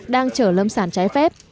đang chở lâm sản trái phép